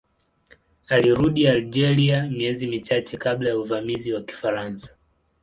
Alirudi Algeria miezi michache kabla ya uvamizi wa Kifaransa.